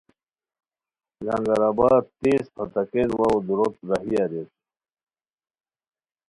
لنگر آباد تیز پھتاکین واوو دُوروت راہی اریر